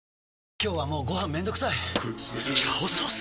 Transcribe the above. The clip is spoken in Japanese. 今日はもうご飯めんどくさい「炒ソース」！？